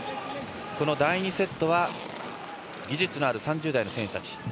この第２セットは技術のある３０代の選手たち。